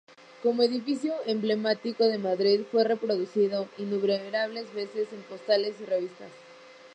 Como edificio emblemático de Madrid, fue reproducido innumerables veces en postales y revistas.